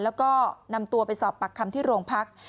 แล้วก็นำตัวไปสอบปากคำที่โรงพัก